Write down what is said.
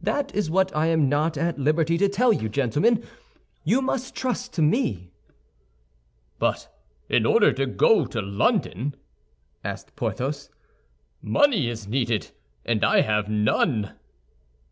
"That is what I am not at liberty to tell you, gentlemen; you must trust to me." "But in order to go to London," added Porthos, "money is needed, and I have none."